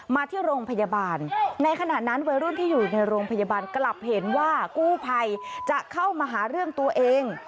มาที่โรงพยาบาลในขณะนั้นวัยรุ่นที่อยู่ในโรงพยาบาลกลับเห็นว่ากู้ภัยจะเข้ามาหาเรื่องตัวเอง